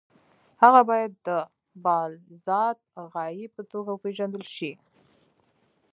هغه باید د بالذات غایې په توګه وپېژندل شي.